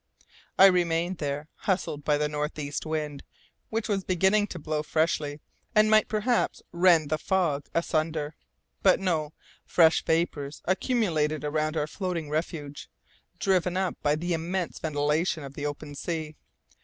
I remained there, hustled by the north east wind, which was beginning to blow freshly and might perhaps rend the fog asunder. But no, fresh vapours accumulated around our floating refuge, driven up by the immense ventilation of the open sea.